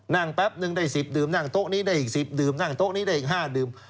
แป๊บนึงได้๑๐ดื่มนั่งโต๊ะนี้ได้อีก๑๐ดื่มนั่งโต๊ะนี้ได้อีก๕ดื่ม